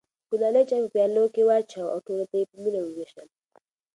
ګلالۍ چای په پیالو کې واچوه او ټولو ته یې په مینه وویشل.